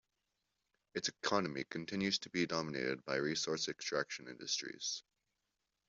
Its economy continues to be dominated by resource extraction industries.